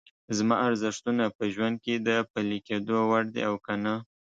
زما ارزښتونه په ژوند کې د پلي کېدو وړ دي او که نه؟